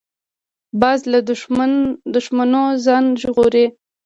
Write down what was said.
باز له دوښمنو ځان ژغوري